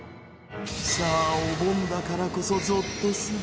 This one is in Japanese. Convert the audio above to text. さあお盆だからこそゾッとする！